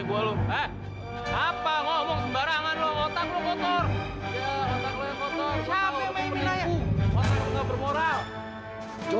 kelilipan mata aku